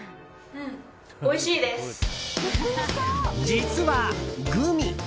実はグミ。